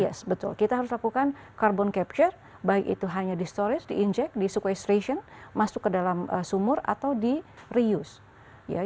yes betul kita harus lakukan carbon capture baik itu hanya di storage di inject di suquestration masuk ke dalam sumur atau di reuse